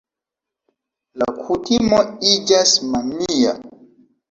La kutimo iĝas mania.